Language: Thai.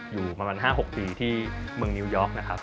อยู่ประมาณ๕๖ปีที่เมืองนิวยอร์กนะครับ